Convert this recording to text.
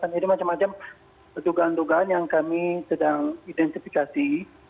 jadi macam macam dugaan dugaan yang kami sedang identifikasi